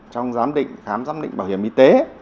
trong giám định khám giám định bảo hiểm y tế